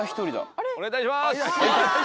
お願いいたします。